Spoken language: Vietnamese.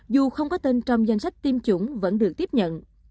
dù không có tên trong danh sách tiêm chủng vẫn được tiếp nhận